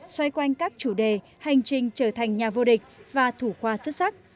xoay quanh các chủ đề hành trình trở thành nhà vô địch và thủ khoa xuất sắc